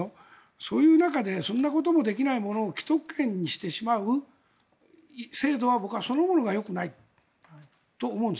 そういう中でそんなこともできないものを既得権にしてしまう制度は僕はそのものがよくないと思うんです。